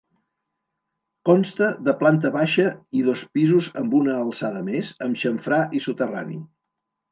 Consta de planta baixa i dos pisos amb una alçada més amb xamfrà i soterrani.